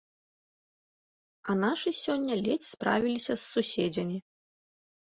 А нашы сёння ледзь справіліся з суседзямі.